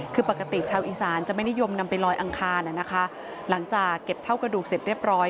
คือปกติชาวอีสานจะไม่นิยมนำไปลอยอังคารนะคะหลังจากเก็บเท่ากระดูกเสร็จเรียบร้อย